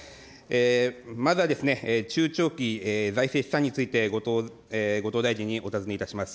まずは、中長期財政試算について、後藤大臣にお尋ねいたします。